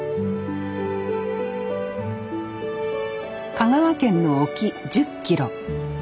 香川県の沖１０キロ。